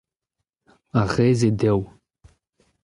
Ar re-se dev.